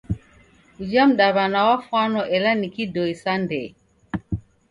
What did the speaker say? Uja mdaw'ana wafwano ela ni kidoi sa ndee.